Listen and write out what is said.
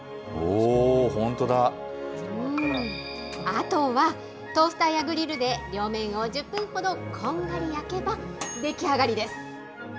あとは、トースターやグリルで両面を１０分ほどこんがり焼けば、出来上がりです。